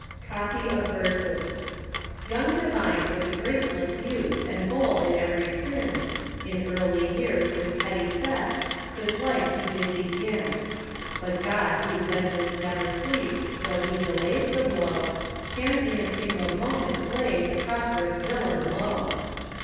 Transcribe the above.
COPY OF VERSES. Young Devine was a graceless youth, And bold in every sin, In early years with petty thefts, His life he did begin. But God whose vengeance never sleeps, Though he delays the blow, Can in a single moment lay The prosperous villain low.